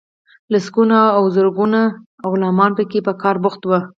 لسګونه او زرګونه غلامان به پکې په کار بوخت وو.